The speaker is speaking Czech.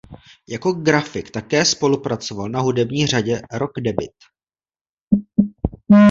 Jako grafik také spolupracoval na hudební řadě Rock Debut.